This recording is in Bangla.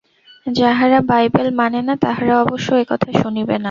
যাহারা বাইবেল মানে না, তাহারা অবশ্য একথা শুনিবে না।